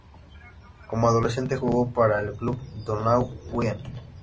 Como adolescente jugó para el club Donau Wien.